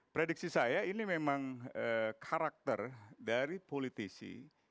prediksi saya ini memang karakter dari politisi